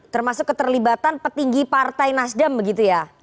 termasuk keterlibatan petinggi partai nasdem begitu ya